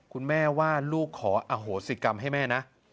คุณแม่ว่าลูกขออโหสิกรรมให้แม่นะ